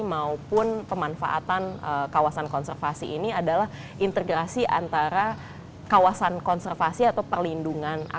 maupun pemanfaatan kawasan konservasi ini adalah integrasi antara kawasan konservasi atau perlindungan